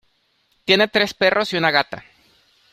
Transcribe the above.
Tiene tres perros y una gata.